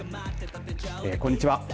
こんにちは。